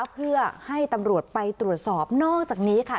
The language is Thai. เพื่อให้ตำรวจไปตรวจสอบนอกจากนี้ค่ะ